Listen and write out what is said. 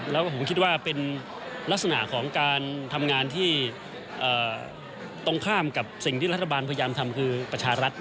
แล้วก็ผมคิดว่าเป็นลักษณะของการทำงานที่ตรงข้ามกับสิ่งที่รัฐบาลพยายามทำคือประชารัฐ